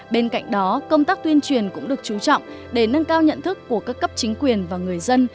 bên cạnh đó công tác tuyên truyền cũng được chú trọng để nâng cao nhận thức của các cấp chính quyền và người dân